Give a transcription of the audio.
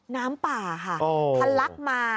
น้ำป่าค่ะทันลักษณ์มา